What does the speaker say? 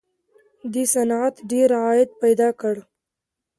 دې صنعت ډېر عاید پیدا کړ